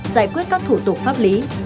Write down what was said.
giải quyết các thủ tục pháp lý